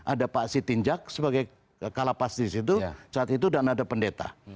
ada pak siti njak sebagai kalapas disitu saat itu dan ada pendeta